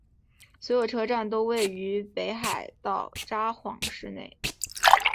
所有车站都位于北海道札幌市内。